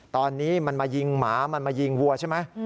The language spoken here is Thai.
ตอนนี้มันมายิงหมามันมายิงวัวใช่ไหม